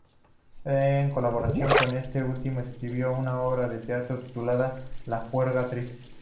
En colaboración con este último escribió una obra de teatro titulada "La juerga triste".